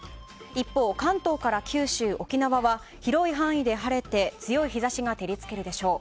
一方、関東から九州・沖縄は広い範囲で晴れて強い日差しが照り付けるでしょう。